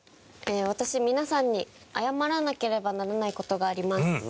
私皆さんに謝らなければならない事があります。